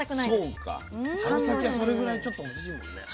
そうか春先はそれぐらいちょっと欲しいもんね。